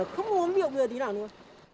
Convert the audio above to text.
không uống rượu người tí nào nữa